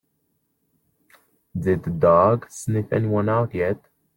Did the dog sniff anyone out yet?